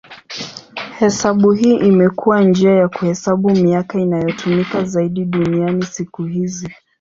Hesabu hii imekuwa njia ya kuhesabu miaka inayotumika zaidi duniani siku hizi.